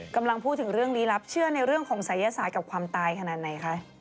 กำลังพูดถึงเรื่องลี้ลับเชื่อในเรื่องของศัยศาสตร์กับความตายขนาดไหนคะ